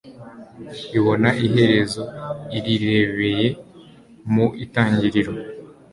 Ibona iherezo irirebcye mu itangiriro,